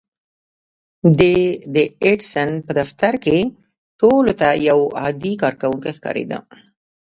دی د ايډېسن په دفتر کې ټولو ته يو عادي کارکوونکی ښکارېده.